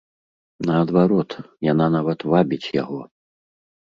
Наадварот, яна нават вабіць яго.